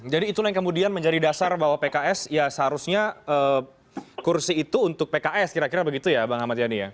jadi itulah yang kemudian menjadi dasar bahwa pks ya seharusnya kursi itu untuk pks kira kira begitu ya mbak ahmad yanni ya